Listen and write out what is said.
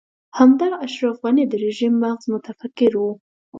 همدا اشرف غني د رژيم مغز متفکر و.